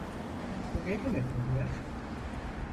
Bu ne demek oluyor?